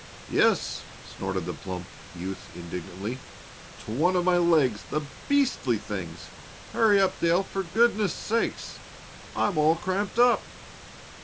"Yes!" snorted the plump youth indignantly "to one of my legs, the beastly things! Hurry up, Dale, for goodness' sake; I'm all cramped up!"